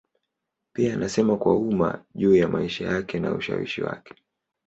Pia anasema kwa umma juu ya maisha yake na ushawishi wake.